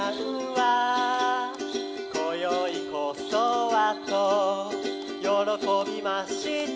「今宵こそはとよろこびました」